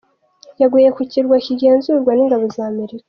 Yaguye ku kirwa kigenzurwa n’ingabo za Amerika.